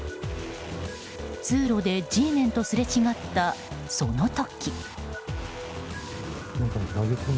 通路でＧメンとすれ違ったその時。